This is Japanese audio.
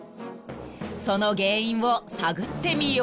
［その原因を探ってみよう］